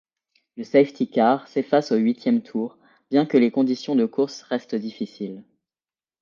Le safety-car s'efface au huitième tour bien que les conditions de courses restent difficiles.